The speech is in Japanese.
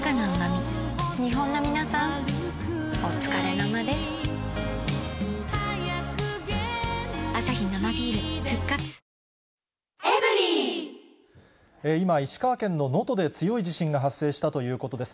中国では、今、石川県の能登で強い地震が発生したということです。